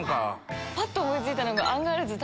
ぱっと思い付いたのが。